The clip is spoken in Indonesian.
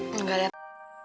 ya gak ada apa